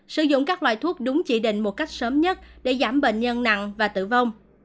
sử dụng các loại thuốc đúng chỉ định một cách sớm nhất để giảm bệnh nhân nặng và tử vong